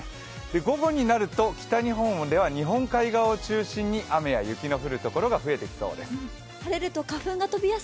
午後になると北日本では日本海側を中心に雨や雪が降る所が多くなります。